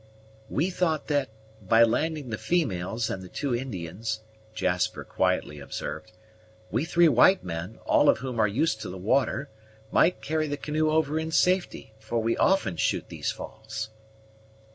"We thought that, by landing the females and the two Indians," Jasper quietly observed, "we three white men, all of whom are used to the water, might carry the canoe over in safety, for we often shoot these falls."